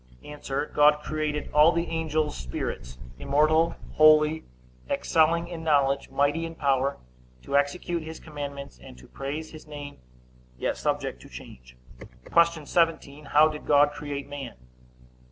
A. God created all the angels spirits, immortal, holy, excelling in knowledge, mighty in power, to execute his commandments, and to praise his name, yet subject to change. Q. 17. How did God create man?